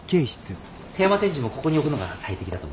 テーマ展示もここに置くのが最適だと思うよ。